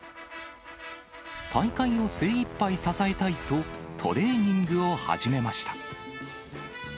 大会を精いっぱい支えたいと、トレーニングを始めました。